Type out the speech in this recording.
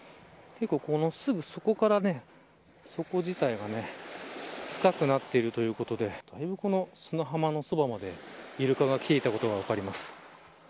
すぐそこから底自体が深くなっているということでだいぶ砂浜のそばまでイルカが来ていたことが分かります。